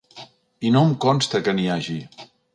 I no em consta que n’hi hagi.